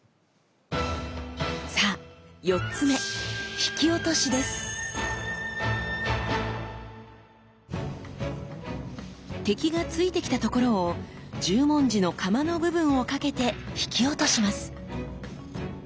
さあ４つ目敵が突いてきたところを十文字の鎌の部分を掛けて引き落とします。